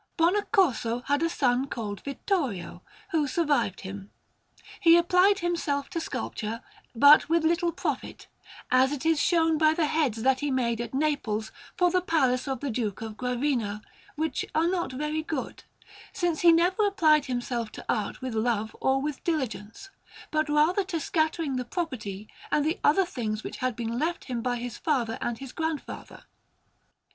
Bonaccorso had a son called Vittorio, who survived him. He applied himself to sculpture, but with little profit, as it is shown by the heads that he made at Naples for the Palace of the Duke of Gravina, which are not very good, since he never applied himself to art with love or with diligence, but rather to scattering the property and the other things which had been left him by his father and his grandfather.